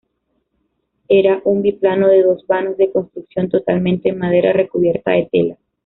Era un biplano de dos vanos de construcción totalmente en madera, recubierta de tela.